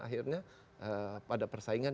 akhirnya pada persaingan